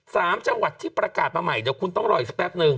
สามจังหวัดที่ประกาศมาใหม่เดี๋ยวคุณต้องรออีกสักแป๊บนึง